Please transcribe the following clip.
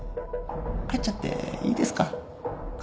帰っちゃっていいですか？